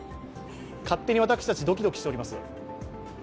勝手に私たち、ドキドキしております。